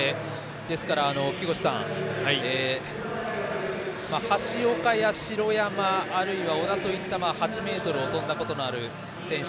ですから、橋岡や城山あるいは小田といった８ｍを跳んだことのある選手。